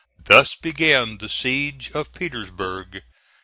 Thus began the siege of Petersburg.